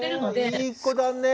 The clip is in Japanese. へえいい子だね。